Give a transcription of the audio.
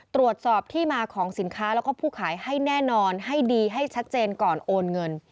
ตรวจสอบที่มาของสินค้าแล้วก็ผู้ขายให้แน่นอนให้ดีให้ชัดเจนก่อนโอนเงิน